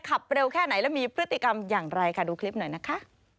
ขับเร็วแค่ไหนแล้วมีพฤติกรรมอย่างไรค่ะดูคลิปหน่อยนะคะ